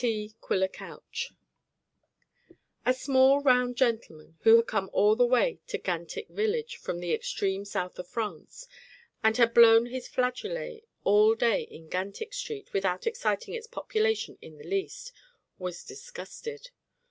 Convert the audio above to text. T. QUILLER COUCH The small round gentleman who had come all the way to Gantick village from the extreme south of France, and had blown his flageolet all day in Gantick street without exciting its population in the least, was disgusted.